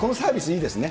いいですね。